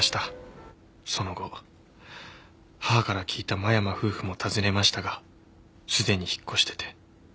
その後母から聞いた間山夫婦も訪ねましたがすでに引っ越してて。